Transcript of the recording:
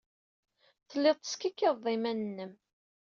Telliḍ teskikkiḍeḍ iman-nnem.